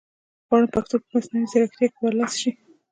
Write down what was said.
غواړم پښتو په مصنوعي ځیرکتیا کې برلاسې شي